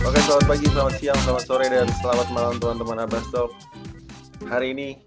oke selamat pagi selamat siang selamat sore dan selamat malam teman teman abastov hari ini